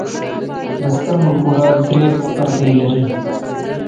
د سترګو کره درې پردې لري.